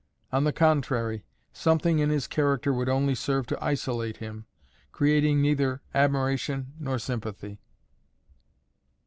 On the contrary, something in his character would only serve to isolate him, creating neither admiration nor sympathy.